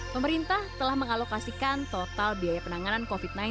pemerintah telah mengalokasikan total biaya penanganan covid sembilan belas